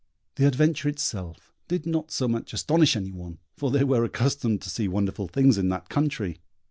The adventure itself did not so much astonish any one, for they were accustomed to see wonderful things in that country.